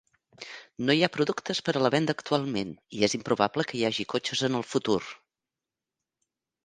No hi ha productes per a la venda actualment, i és improbable que hi hagi cotxes en el futur.